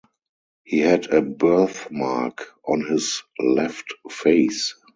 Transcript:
He had a birthmark on his left face.